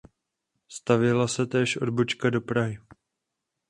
Stavěla se též odbočka do Prahy.